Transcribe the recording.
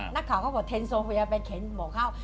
นักข่าวเขาบอกเทรนโซเฟียไปเขียนบอกเขา